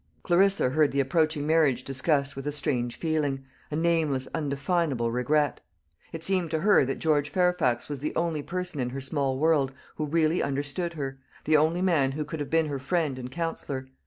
Clarissa heard the approaching marriage discussed with a strange feeling, a nameless undefinable regret. It seemed to her that George Fairfax was the only person in her small world who really understood her, the only man who could have been her friend and counsellor.